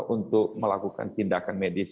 untuk melakukan tindakan medis